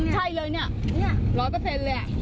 ใช่เลยเนี่ย๑๐๐เปอร์เซ็นต์แหละ